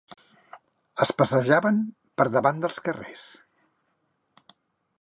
Es passejaven per davant dels carrers